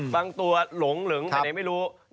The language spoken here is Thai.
บางตัวหลงเหลิงไปไหนไม่รู้